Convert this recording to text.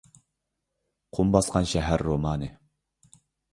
«قۇم باسقان شەھەر» رومانى